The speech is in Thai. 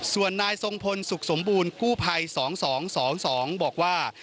ส่วนนายทรงพลสุขสมบูรณ์กู้ภัย๒๒๒๒บอกว่า